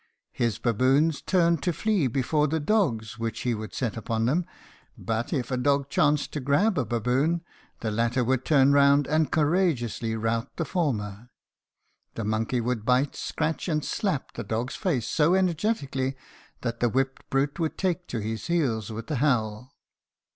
His baboons turned to flee before the dogs, which he would set upon them, but if a dog chanced to grab a baboon, the latter would turn round and courageously rout the former. The monkey would bite, scratch, and slap the dog's face so energetically that the whipped brute would take to his heels with a howl.